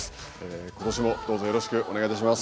今年もどうぞよろしくお願いいたします。